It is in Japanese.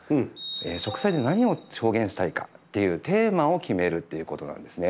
植栽で何を表現したいかっていうテーマを決めるっていうことなんですね。